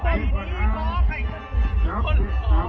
แทนรับรู้ให้กว่าหลับผลตกรุ่นถูกการ